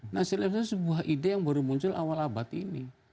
nasir aziz itu sebuah ide yang baru muncul awal abad ini